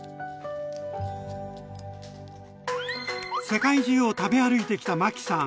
世界中を食べ歩いてきたマキさん。